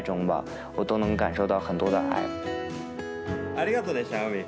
ありがとねシャオミン。